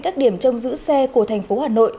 các điểm trong giữ xe của thành phố hà nội